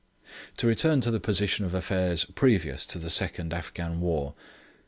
To return to the position of affairs previous to the second Afghan war.